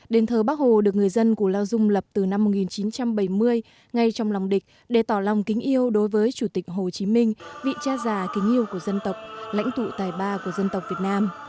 đền thờ bắc hồ được người dân củ lao dung lập từ năm một nghìn chín trăm bảy mươi ngay trong lòng địch để tỏ lòng kính yêu đối với chủ tịch hồ chí minh vị cha già kính yêu của dân tộc lãnh tụ tài ba của dân tộc việt nam